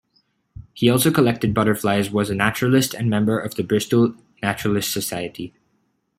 He also collected butterflies, was a naturalist and member of the Bristol Naturalists' Society.